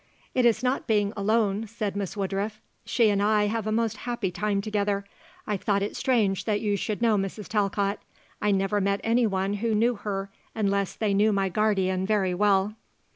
"It is not being alone," said Miss Woodruff. "She and I have a most happy time together. I thought it strange that you should know Mrs. Talcott. I never met anyone who knew her unless they knew my guardian very well."